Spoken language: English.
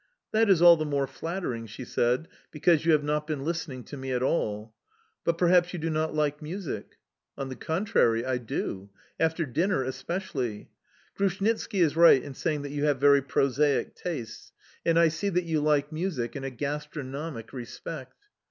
"That is all the more flattering," she said, "because you have not been listening to me at all; but perhaps you do not like music?"... "On the contrary, I do... After dinner, especially." "Grushnitski is right in saying that you have very prosaic tastes... and I see that you like music in a gastronomic respect."